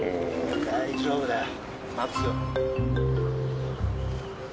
・大丈夫だよ。待つよ。